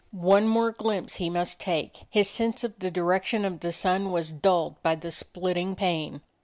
One more glimpse he must take. His sense of the direction of the sun was dulled by the splitting pain.